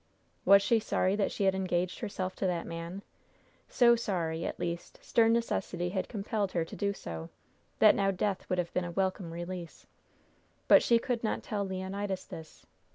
Was she sorry that she had engaged herself to that man? So sorry, at least, stern necessity had compelled her to do so, that now death would have been a welcome release. But she could not tell Leonidas this.